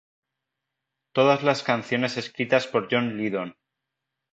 Todas las canciones escritas por John Lydon.